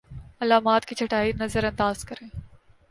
علامات کی چھٹائی نظرانداز کریں